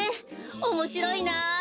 おもしろいな。